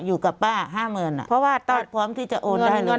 อยู่กับป้าห้าหมื่นอ่ะเพราะว่าต้าพร้อมที่จะโอนได้เลย